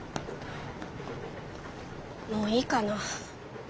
もういいかな。